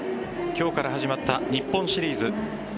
今日から始まった日本シリーズ。